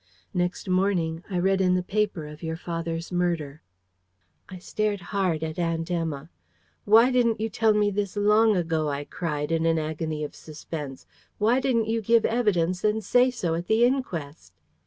Next morning, I read in the paper of your father's murder." I stared hard at Aunt Emma. "Why didn't you tell me this long ago?" I cried, in an agony of suspense. "Why didn't you give evidence and say so at the inquest?"